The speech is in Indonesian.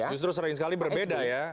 justru sering sekali berbeda ya